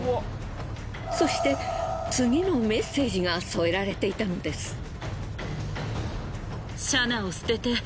そして次のメッセージが添えられていたのです。